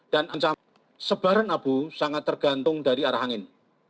dan ancaman sebaran abu sangat tergantung dari arah angin